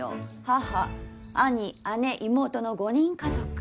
母兄姉妹の５人家族。